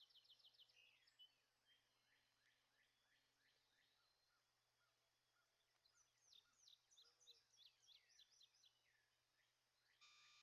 বাবা থিয়েটার অঙ্গনে বিখ্যাত বলে খুব ছোট বয়স থেকেই অমল ভারতের বিখ্যাত মঞ্চ সংশ্লিষ্ট ব্যক্তিদের কাছ থেকে দেখতে পেয়েছিলেন।